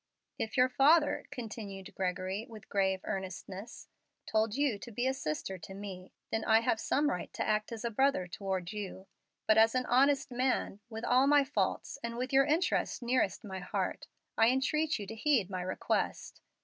"If your father," continued Gregory, with grave earnestness, "told you to be a sister to me, then I have some right to act as a brother toward you. But as an honest man, with all my faults, and with your interests nearest my heart, I entreat you to heed my request.